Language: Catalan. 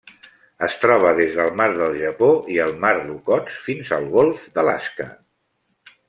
Es troba des del mar del Japó i el mar d'Okhotsk fins al golf d'Alaska.